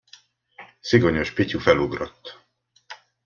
Szigonyos Pityu felugrott.